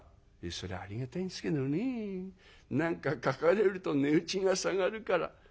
「それはありがたいんすけどねえ何か描かれると値打ちが下がるから」。